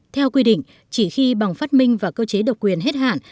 theo quy định chỉ khi bằng phát minh và cơ chế độc quyền hết hạn